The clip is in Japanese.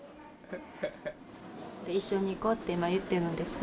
「一緒に行こう」って今言ってるんです。